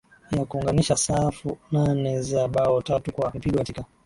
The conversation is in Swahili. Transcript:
Ya kuunganisha safu nane za bao tatu kwa mpigo katika